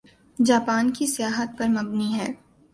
Japan کی سیاحت پر مبنی ہے